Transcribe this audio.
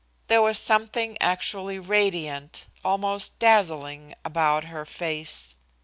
There was something actually radiant, almost dazzling, about her face.